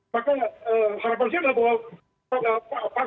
maka harapan saya adalah bahwa